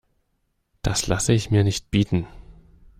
Das lasse ich mir nicht bieten!